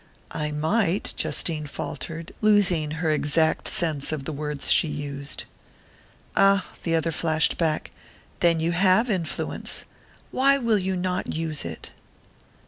"I might " Justine faltered, losing her exact sense of the words she used. "Ah," the other flashed back, "then you have influence! Why will you not use it?"